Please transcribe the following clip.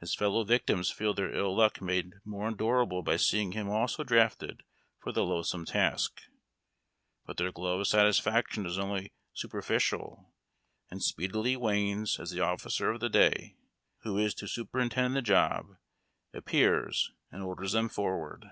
His fellow victims feel their ill luck made more endurable by seeing him also drafted for the loathsome task ; but their glow of satisfaction is only super ficial and speedily wanes as the officer of the day, who is to superintend the job, appears and orders them forward.